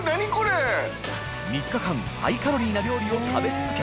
４.ハイカロリーな料理を食べ続け